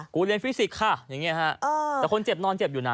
กูเรียนฟิสิกส์ค่ะแต่คนเจ็บนอนเจ็บอยู่นะ